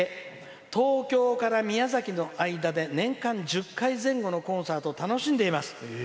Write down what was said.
東京から宮崎の間で年間１０回前後のコンサート楽しんでいます」。